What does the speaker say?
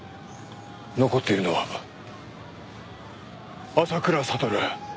残っているのは浅倉悟。